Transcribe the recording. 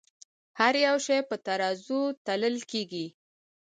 هر يو شے پۀ ترازو تللے کيږې